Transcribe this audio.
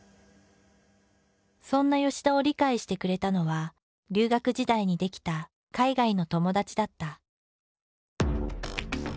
そんな田を理解してくれたのは留学時代に出来た海外の友達だった。